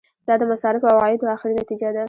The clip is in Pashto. دا د مصارفو او عوایدو اخري نتیجه ده.